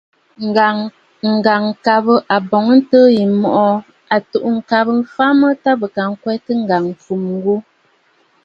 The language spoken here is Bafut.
Ŋ̀gàŋkabə àbɔ̀ŋəntɨɨ yì mɔ̀ʼɔ à tù'û ŋ̀kabə mfa mə bɨ ka ŋkwɛtə ŋgàŋâfumə ghu.